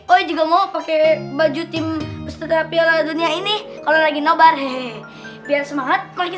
oh juga mau pakai baju tim peserta piala dunia ini kalau lagi nobar hehehe biar semangat kalau lagi